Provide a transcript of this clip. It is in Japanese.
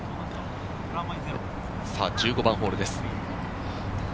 １５番ホールです。